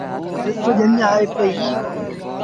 ڏس ڄڃ آئي پئيٚ۔